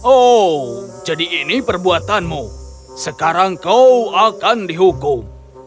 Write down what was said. oh jadi ini perbuatanmu sekarang kau akan dihukum